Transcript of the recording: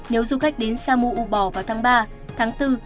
nếu du khách đến samu bò vào tháng ba tháng bốn